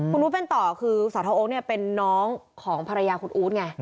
คุณอู๋เป็นต่อคือสอทอโอ๊คเป็นน้องของภรรยาคุณอู๋ไง